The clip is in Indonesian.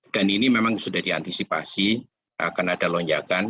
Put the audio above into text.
dan ini memang sudah diantisipasi akan ada lonjakan